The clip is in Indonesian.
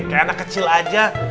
kayak anak kecil aja